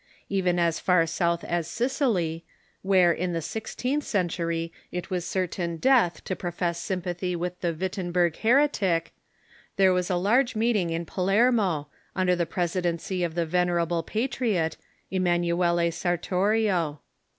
Even as far south as Sicily, where, in the sixteenth century, it was certain death to profess sympathy with the Wittenberg heretic, there was a large meeting in Pa lermo, under the presidency of the venerable patriot, Emmanu cle Sartorio.